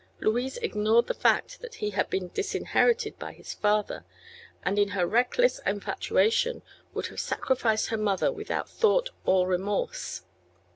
Louise ignored the fact that he had been disinherited by his father, and in her reckless infatuation would have sacrificed her mother without thought or remorse.